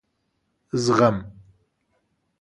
زغم ....